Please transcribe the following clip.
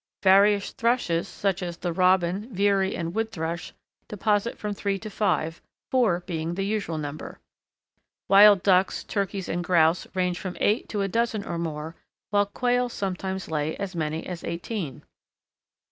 Various Thrushes, such as the Robin, Veery, and Wood Thrush, deposit from three to five, four being the most usual number. Wild Ducks, Turkeys, and Grouse range from eight to a dozen or more; while Quails sometimes lay as many as eighteen.